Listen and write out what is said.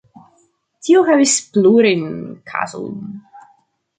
Tio havis plurajn kaŭzojn.